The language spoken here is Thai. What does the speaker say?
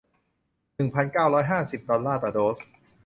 หนึ่งพันเก้าร้อยห้าสิบ ดอลลาร์ต่อโดส